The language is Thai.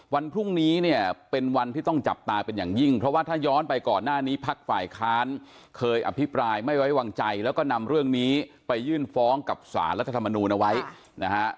วันพรุ่งนี้เนี่ยเป็นวันที่ต้องจับตาเป็นอย่างยิ่งเพราะว่าถ้าย้อนไปก่อนหน้านี้พักฝ่ายค้านเคยอภิปรายไม่ไว้วางใจแล้วก็นำเรื่องนี้ไปยื่นฟ้องกับสารรัฐธรรมนูลเอาไว้นะฮะ